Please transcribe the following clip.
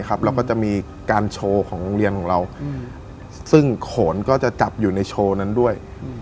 แล้วก็จะมีการโชว์ของโรงเรียนของเราซึ่งโขนก็จะจับอยู่ในโชว์นั้นด้วย